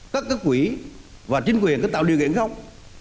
các cấp quỹ và chính quyền có tạo điều kiện không